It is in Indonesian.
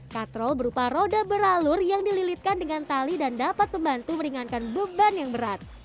katrol berupa roda beralur yang dililitkan dengan tali dan dapat membantu meringankan beban yang berat